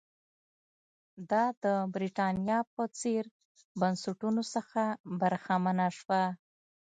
دا د برېټانیا په څېر بنسټونو څخه برخمنه شوه.